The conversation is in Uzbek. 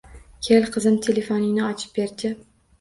- Kel qizim, telefoningni ochib ber-chi?